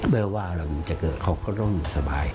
เมื่อว่าอะไรมันจะเกิดเขาก็ต้องอยู่สบาย